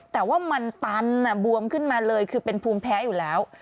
แต่ว่ามันตันบวมขึ้นมาเลยคือเป็นภูมิแพ้อยู่แล้ว